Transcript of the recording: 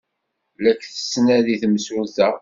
La k-tettnadi temsulta.